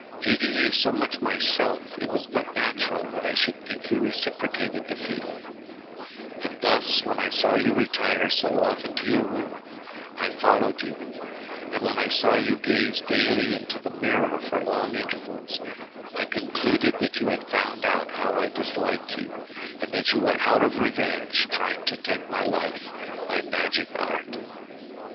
Hating you so much myself, it was but natural that I should think you reciprocated the feeling, and thus when I saw you retire so often to your room I followed you, and when I saw you gaze daily into the mirror for long intervals, I concluded that you had found out how I disliked you, and that you were out of revenge trying to take my life by magic art.